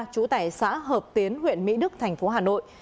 chủ tải xã hợp tiến huyện mỹ đức thành phố hà nội